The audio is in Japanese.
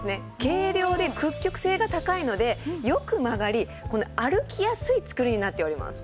軽量で屈曲性が高いのでよく曲がり歩きやすい作りになっております。